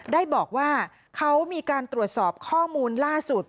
ได้บอกว่าเขามีการตรวจสอบข้อมูลล่าสุด